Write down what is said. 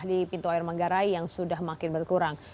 di pintu air manggarai yang sudah makin berkurang